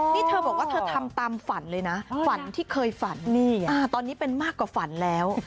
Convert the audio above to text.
นี่เธอบอกว่าเธอทำตามฝันเลยนะฝันที่เคยฝันนี่ไงตอนนี้เป็นมากกว่าฝันแล้ว